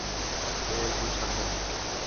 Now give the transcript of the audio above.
আমি একজন সাংবাদিক।